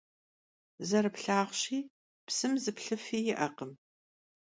Zerıplhağuşi, psım zı plhıfi yi'ekhım.